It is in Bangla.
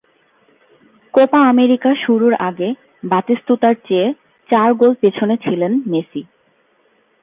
কোপা আমেরিকা শুরুর আগে বাতিস্তুতার চেয়ে চার গোল পেছনে ছিলেন মেসি।